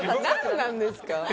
なんなんですか？